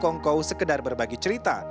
kau kau sekedar berbagi cerita